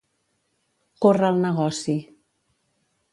Córrer el negoci.